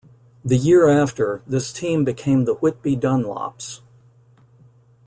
The year after, this team became the Whitby Dunlops.